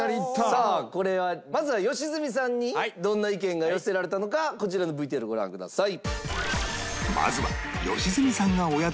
さあこれはまずは良純さんにどんな意見が寄せられたのかこちらのＶＴＲをご覧ください。